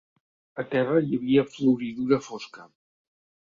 A terra hi havia floridura fosca.